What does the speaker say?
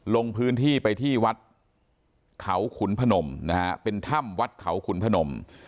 ลงพื้นที่ไปที่วัดเขาขุนพนมนะฮะเป็นถ้ำวัดเขาขุนพนม